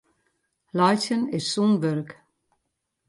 Laitsjen is sûn wurk.